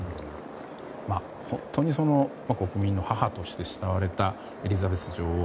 本当に国民の母として慕われたエリザベス女王。